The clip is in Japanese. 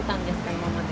今まで。